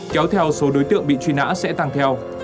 kéo theo số đối tượng bị truy nã sẽ tăng theo